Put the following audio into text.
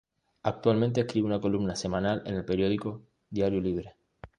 Actualmente escribe una columna semanal en el periódico Diario Libre.